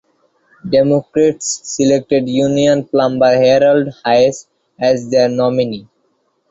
Democrats selected union plumber Harold Hayes as their nominee.